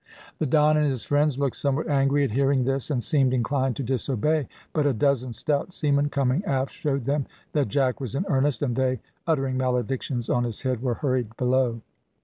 The Don and his friends looked somewhat angry at hearing this, and seemed inclined to disobey, but a dozen stout seamen coming aft showed them that Jack was in earnest, and they, uttering maledictions on his head, were hurried below.